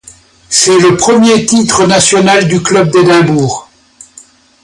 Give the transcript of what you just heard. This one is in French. C’est le premier titre national du club d’Édimbourg.